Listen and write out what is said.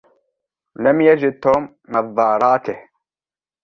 لم يجد توم نظاراته.